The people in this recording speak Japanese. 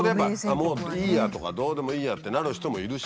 もういいやとかどうでもいいやってなる人もいるし。